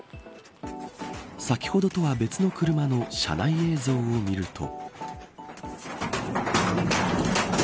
先ほどとは、別の車の車内映像を見ると。